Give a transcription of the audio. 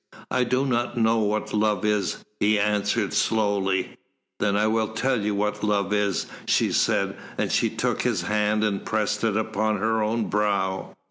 "I do not know what love is," he answered, slowly. "Then I will tell you what love is," she said, and she took his hand and pressed it upon her own brow.